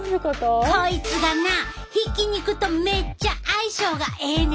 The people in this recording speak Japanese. こいつがなひき肉とめっちゃ相性がええねん！